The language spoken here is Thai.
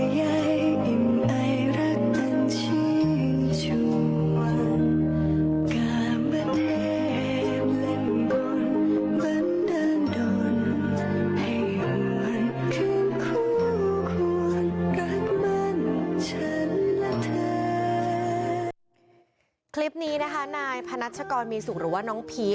ให้อิ่มไอรักมันชิงช่วงวัน